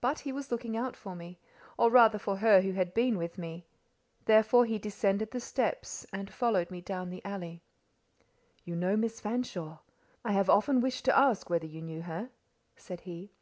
But he was looking out for me, or rather for her who had been with me: therefore he descended the steps, and followed me down the alley. "You know Miss Fanshawe? I have often wished to ask whether you knew her," said he.